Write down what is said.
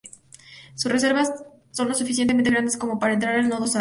Sus reservas son lo suficientemente grandes como para entrar al Modo Sabio.